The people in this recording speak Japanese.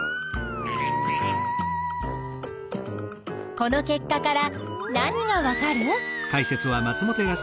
この結果から何がわかる？